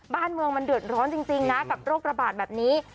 บ้านเมืองมันเดือดร้อนจริงนะกับโรคระบาดแบบนี้